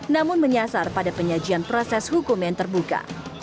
namun menyasar pada penyajian proses hukum yang terbuka